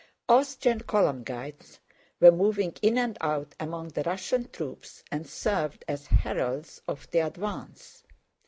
Austrian column guides were moving in and out among the Russian troops and served as heralds of the advance.